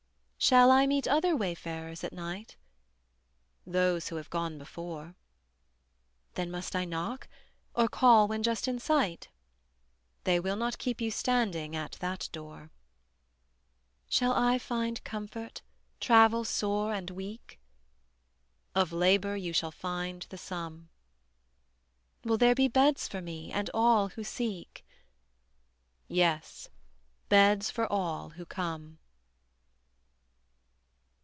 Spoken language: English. Shall I meet other wayfarers at night? Those who have gone before. Then must I knock, or call when just in sight? They will not keep you standing at that door. Shall I find comfort, travel sore and weak? Of labor you shall find the sum. Will there be beds for me and all who seek? Yea, beds for all who come.